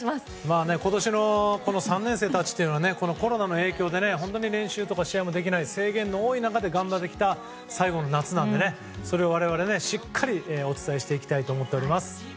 今年の３年生たちはコロナの影響で練習や試合もできない制限の多い中で頑張ってきた最後の夏なので我々しっかりとお伝えしていきたいと思っております。